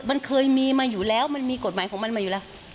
มันเคยมีมาอยู่แล้วมันมีกฎหมายของมันมาอยู่แล้ว